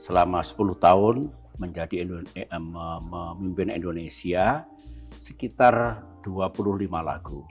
selama sepuluh tahun menjadi memimpin indonesia sekitar dua puluh lima lagu